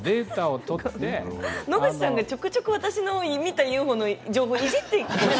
野口さんがちょくちょく私が見たＵＦＯの情報をいじってくる。